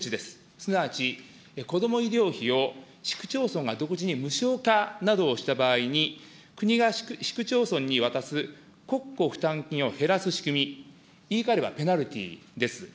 すなわち子ども医療費を市区町村が独自に無料化した場合に、国が市区町村に渡す国庫負担金を減らす仕組み、言い換えればペナルティーです。